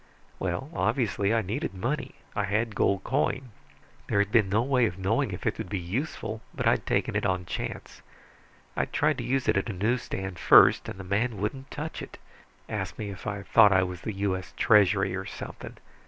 "Well, obviously, I needed money. I had gold coin. There had been no way of knowing if it would be useful, but I'd taken it on chance. I tried to use it at a newsstand first, and the man wouldn't touch it. Asked me if I thought I was the U.S. Treasury or something.